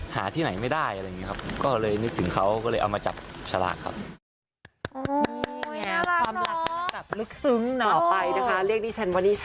หาที่ไหนไม่ได้อะไรแบบนี้ครับ